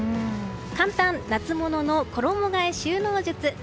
簡単、夏物の衣替え収納術。